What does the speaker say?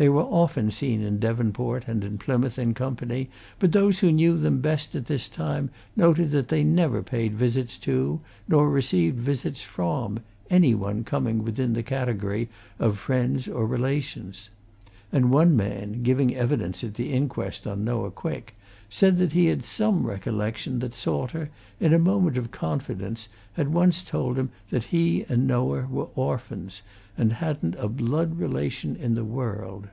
They were often seen in Devonport and in Plymouth in company, but those who knew them best at this time noted that they never paid visits to, nor received visits from, any one coming within the category of friends or relations. And one man, giving evidence at the inquest on Noah Quick, said that he had some recollection that Salter, in a moment of confidence, had once told him that he and Noah were orphans, and hadn't a blood relation in the world.